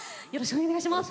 お願いします！